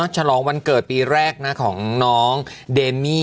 ฉลองวันเกิดปีแรกของน้องเดมี่